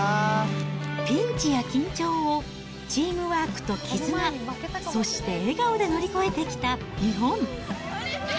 ピンチや緊張をチームワークと絆、そして笑顔で乗り越えてきた日本。